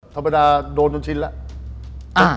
ธรรมดาโดนจนชิ้นแล้ว